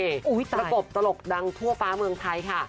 ทรเกพตรงจริงค่ะถูกตลกดังทั่วฟ้าเมืองไทยค่ะ